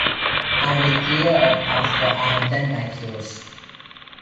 I'll clear up after I've done my chores.